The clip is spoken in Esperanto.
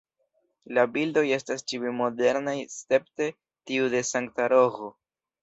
La bildoj estas ĉiuj modernaj escepte tiu de Sankta Roĥo.